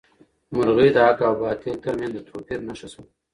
مرغۍ د حق او باطل تر منځ د توپیر نښه شوه.